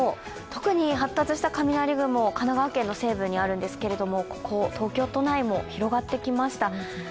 特に発達した雷雲、神奈川県の西部にあるんですけれども、東京都内も広がってきました。